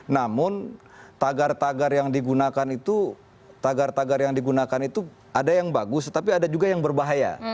namun tagar tagar yang digunakan itu tagar tagar yang digunakan itu ada yang bagus tetapi ada juga yang berbahaya